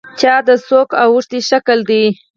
چا د څوک اوښتي شکل دی.